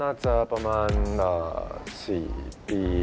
น่าจะประมาณ๔ปี